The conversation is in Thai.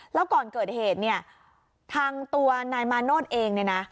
แล้วก่อนเกิดเหตุทางตัวนายมาโนธเองนะ